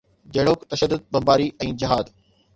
جهڙوڪ تشدد، بمباري ۽ جهاد.